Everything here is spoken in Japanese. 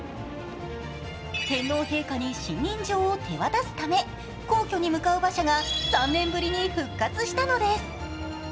天皇陛下に信任状に手渡すため、皇居に向かう馬車が３年ぶりに復活したのです。